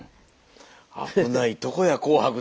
危ないとこや「紅白」出なぁ。